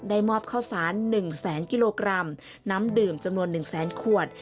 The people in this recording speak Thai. ได้มอบข้าวสาร๑๐๐๐๐๐กิโลกรัมน้ำดื่มจำนวน๑๐๐๐๐๐ขวด